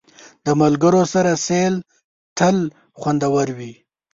د ملګرو سره سیل تل خوندور وي.